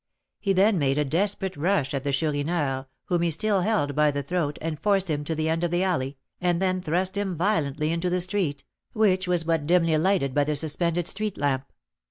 He then made a desperate rush at the Chourineur, whom he still held by the throat, and forced him to the end of the alley, and then thrust him violently into the street, which was but dimly lighted by the suspended street lamp.